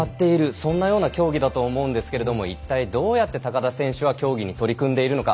そんなような競技だと思うんですがいったいどうやって高田選手は競技に取り組んでいるのか